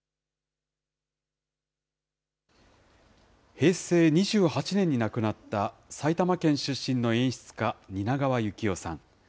平成２８年に亡くなった、埼玉県出身の演出家、蜷川幸雄さん。